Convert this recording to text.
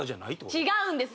違うんです